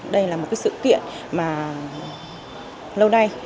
đây là một sự kiện mà lâu nay